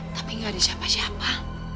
tapi nggak ada siapa siapa